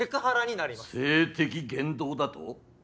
性的言動だと？